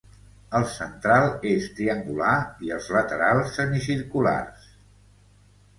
El central és triangular i els laterals semicirculars.